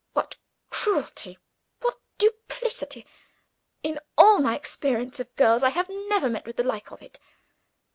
What cruelty! what duplicity! In all my experience of girls, I have never met with the like of it.